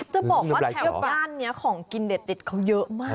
จะบอกว่าแถวบ้านนี้ของกินเด็ดเขาเยอะมาก